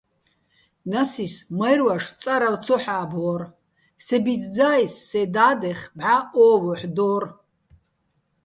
ნასის მაჲრვაშო̆ წარავ ცო ჰ̦ა́ბვორ, სე ბიძძა́ის სე და́დახ ბჵა "ო ვოჰ̦" დო́რ.